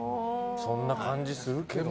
そんな感じするけどな。